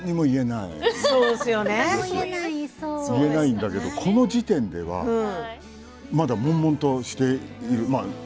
言えないんだけどこの時点ではまだもんもんとしている。